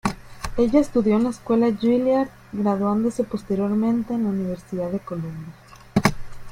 Ella estudió en la Escuela Juilliard, graduándose posteriormente en la Universidad de Columbia.